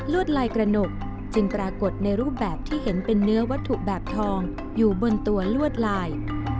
ลายกระหนกจึงปรากฏในรูปแบบที่เห็นเป็นเนื้อวัตถุแบบทองอยู่บนตัวลวดลาย